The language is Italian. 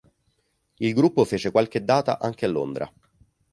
Il gruppo fece qualche data anche a Londra.